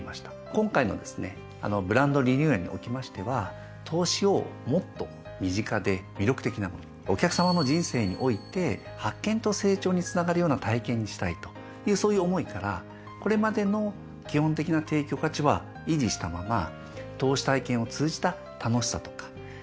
今回のですねブランドリニューアルにおきましては投資をもっと身近で魅力的なものお客さまの人生において発見と成長につながるような体験にしたいというそういう思いからこれまでの基本的な提供価値は維持したまま投資体験を通じた楽しさとか投資を面白くするアイデア